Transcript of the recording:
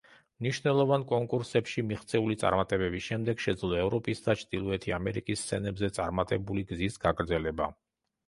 მნიშვნელოვან კონკურსებში მიღწეული წარმატებების შემდეგ შეძლო ევროპის და ჩრდილოეთი ამერიკის სცენებზე წარმატებული გზის გაგრძელება.